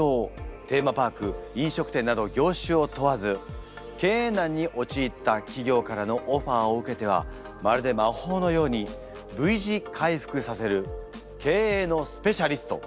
テーマパーク飲食店など業種を問わず経営難におちいった企業からのオファーを受けてはまるで魔法のようにＶ字回復させる経営のスペシャリスト。